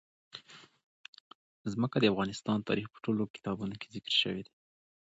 ځمکه د افغان تاریخ په ټولو کتابونو کې ذکر شوی دي.